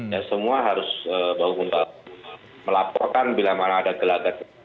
ya semua harus melaporkan bila mana ada gelagat